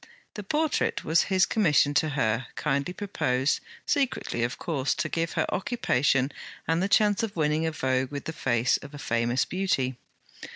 The portrait was his commission to her, kindly proposed, secretly of course, to give her occupation and the chance of winning a vogue with the face of a famous Beauty.